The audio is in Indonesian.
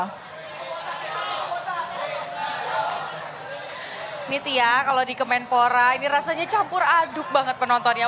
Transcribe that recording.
ini tia kalau di kemenpora ini rasanya campur aduk banget penontonnya